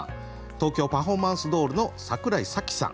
東京パフォーマンスドールの櫻井紗季さん。